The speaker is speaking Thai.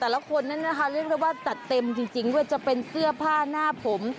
คนนั้นนะคะเรียกได้ว่าจัดเต็มจริงว่าจะเป็นเสื้อผ้าหน้าผม